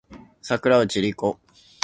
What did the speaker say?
桜内梨子